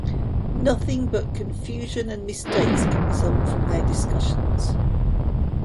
Nothing but confusion and mistakes can result from their discussions.